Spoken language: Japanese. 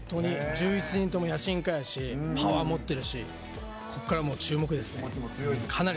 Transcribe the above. １１人とも野心家やしパワー持ってるしこっから注目ですね。